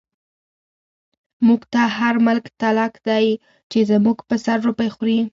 موږ ته هر ملک تلک دی، چۍ زموږ په سر روپۍ خوری